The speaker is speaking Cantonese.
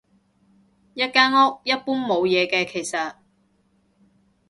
一間屋，一般冇嘢嘅其實